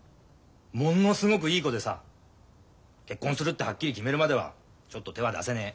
ものすごくいい子でさ結婚するってはっきり決めるまではちょっと手は出せねえ。